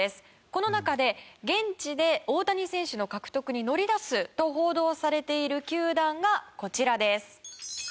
この中で現地で大谷選手の獲得に乗り出すと報道されている球団がこちらです。